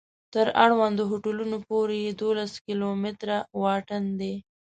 تر اړوندو هوټلونو پورې یې دولس کلومتره واټن دی.